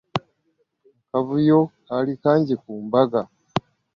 Akavuyo kaali kangi ku mbaga.